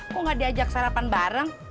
kok gak diajak sarapan bareng